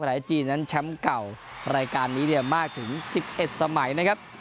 หลายจีนนั้นแชมป์เก่ารายการนี้เนี่ยมากถึง๑๑สมัยนะครับ